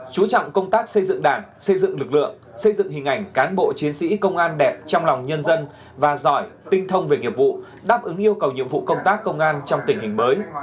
chú trọng công tác xây dựng đảng xây dựng lực lượng xây dựng hình ảnh cán bộ chiến sĩ công an đẹp trong lòng nhân dân và giỏi tinh thông về nghiệp vụ đáp ứng yêu cầu nhiệm vụ công tác công an trong tình hình mới